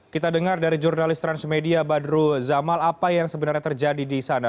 kita dengar dari jurnalis transmedia badru zamal apa yang sebenarnya terjadi di sana